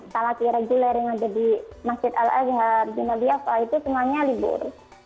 talaki reguler yang ada di masjid al azhar jum'ah diyafah itu semuanya libur